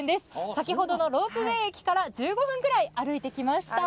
先ほどのロープウェー駅から１５分くらい歩いてきました。